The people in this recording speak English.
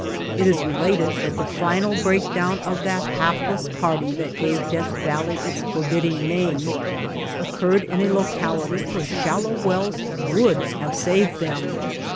It is related that the final break down of that hapless party that gave Death Valley its forbidding name occurred in a locality where shallow wells would have saved them.